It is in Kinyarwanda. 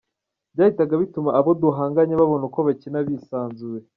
Byahitaga bituma abo duhanganye babona uko bakina bisanzuye.